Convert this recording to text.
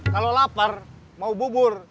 kalau lapar mau bubur